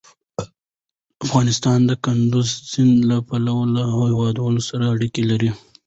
افغانستان د کندز سیند له پلوه له هېوادونو سره اړیکې لري.